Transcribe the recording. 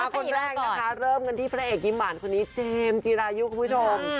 คนแรกนะคะเริ่มกันที่พระเอกยิ้มหวานคนนี้เจมส์จีรายุคุณผู้ชม